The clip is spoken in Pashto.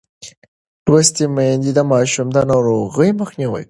لوستې میندې د ماشوم د ناروغۍ مخنیوی کوي.